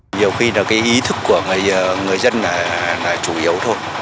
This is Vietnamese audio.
nhiều khi là cái ý thức của người dân là chủ yếu thôi